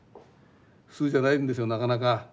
普通じゃないんですよなかなか。